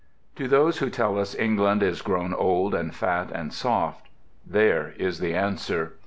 To those who tell us England is grown old and fat and soft, there is the answer.